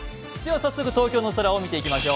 早速、東京の空を見ていきましょう。